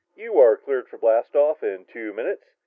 "You are cleared for blast off in two minutes.